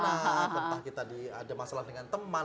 entah kita ada masalah dengan teman